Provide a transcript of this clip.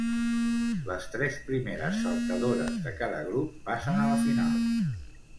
Les tres primeres saltadores de cada grup passen a la final.